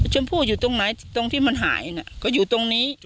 ชมพู่อยู่ตรงไหนตรงที่มันหายนะก็อยู่ตรงนี้